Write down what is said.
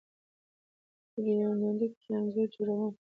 په دې يونليک کې انځور جوړونه